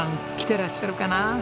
てらっしゃるかな？